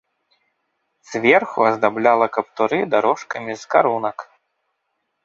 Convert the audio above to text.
Зверху аздабляла каптуры дарожкамі з карунак.